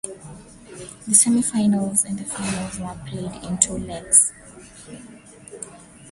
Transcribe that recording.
The semi-finals and the finals were played in two legs.